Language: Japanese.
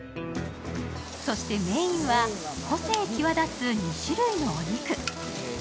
そしてメインは個性際立つ２種類のお肉。